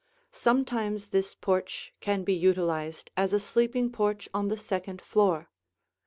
Sometimes this porch can be utilized as a sleeping porch on the second floor.